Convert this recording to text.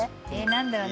何だろう？